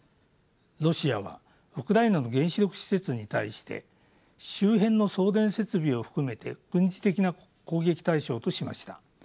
ロシアはウクライナの原子力施設に対して周辺の送電設備を含めて軍事的な攻撃対象としました。